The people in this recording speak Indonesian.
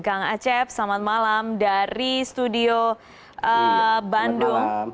kang acep selamat malam dari studio bandung